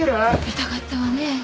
痛かったわね。